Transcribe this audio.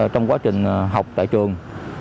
trong quá trình học tại trường